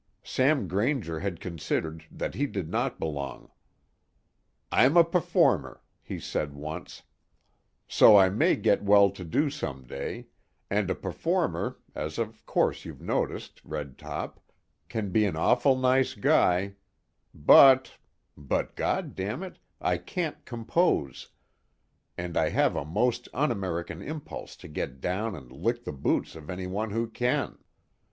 Sam Grainger had considered that he did not belong. "I'm a performer," he said once, "so I may get well to do some day; and a performer, as of course you've noticed, Red Top, can be an awful nice guy, but ... but God damn it, I can't compose, and I have a most un American impulse to get down and lick the boots of anyone who can."